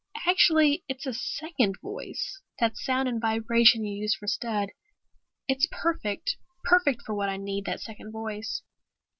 "Actually it's a second voice, that sound and vibration you use for Spud. It's perfect, perfect for what I need, that second voice."